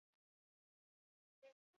Herriko berezko hizkuntza katalana da.